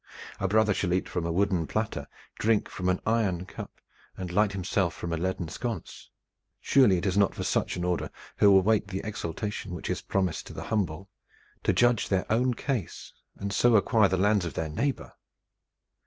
A brother shall eat from a wooden platter, drink from an iron cup, and light himself from a leaden sconce. Surely it is not for such an order who await the exaltation which is promised to the humble, to judge their own case and so acquire the lands of their neighbor!